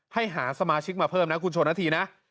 ให้หาสมาชิกมาเพิ่มนะคุณชนนาธีนะ